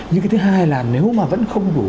nhưng cái thứ hai là nếu mà vẫn không đủ